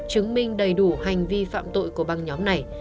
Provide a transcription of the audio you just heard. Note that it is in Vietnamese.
chứng minh đầy đủ hành vi phạm tội của băng nhóm này